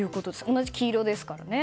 同じ黄色ですからね。